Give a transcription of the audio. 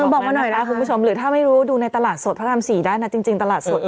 บอกมาหน่อยนะคุณผู้ชมหรือถ้าไม่รู้ดูในตลาดสดพระราม๔ได้นะจริงตลาดสด